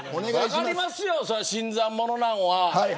分かりますよ、新参者なのは。